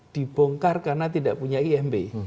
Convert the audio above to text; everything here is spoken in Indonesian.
dibongkar karena tidak punya imb